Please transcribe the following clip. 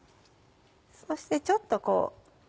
そしてちょっとこう。